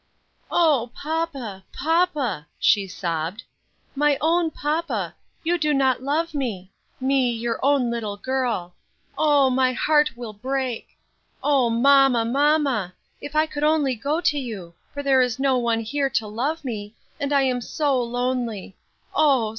"O papa, papa!" she sobbed, "my own papa, you do not love me; me, your own little girl. Oh! my heart will break. O mamma, mamma! if I could only go to you; for there is no one here to love me, and I am so lonely, oh!